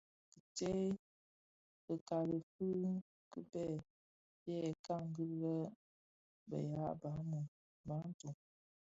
Bi kitsèè fikali fi kibèè, fyè kpaghi lè bë ya Bantu (Bafia).